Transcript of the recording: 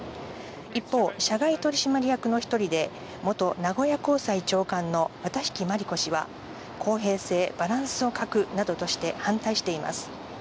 一方、社外取締役の１人で元名古屋高裁長官の綿引万里子氏は、公平性、バランスを欠くなどとして反対しています。